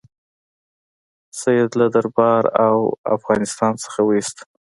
سید له درباره او له افغانستان څخه وایست.